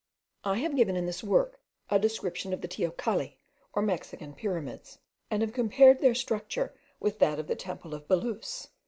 I have given in this work a description of the teocalli, or Mexican pyramids, and have compared their structure with that of the temple of Belus.